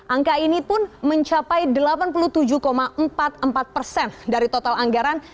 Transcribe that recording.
angka ini pun mencapai delapan puluh tujuh empat puluh empat persen dari total anggaran